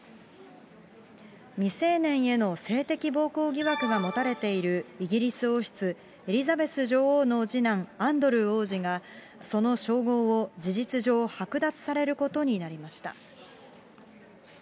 未成年への性的暴行疑惑が持たれているイギリス王室、エリザベス女王の次男、アンドルー王子が、その称号を事実上、剥奪されることになりました。